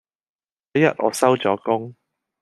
有一日我收咗工